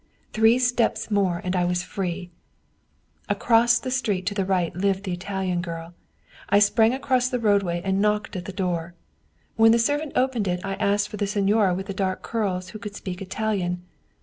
Three steps more and I was free. " Across the street to the right lived the Italian girl. I sprang across the roadway and knocked at the door. When the servant opened it I asked for the signora with the dark curls, who could speak Italian.